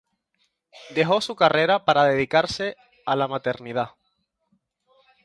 Dejó su carrera para dedicarse a la maternidad.